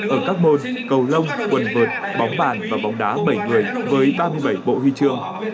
ở các môn cầu lông quần vợt bóng bàn và bóng đá bảy người với ba mươi bảy bộ huy chương